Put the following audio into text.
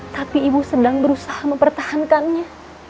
tapi ibu sedang berusaha mempertahankannya